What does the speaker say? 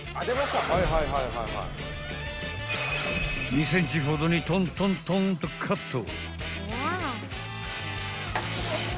［２ｃｍほどにトントントンとカット］